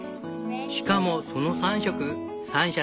しかもその３色三者